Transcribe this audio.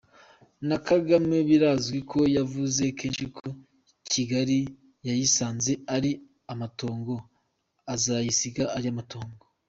Na Kagame birazwi ko yavuze kenshi ko Kigali yayisanze ari amatongo azayisiga ari amatongo.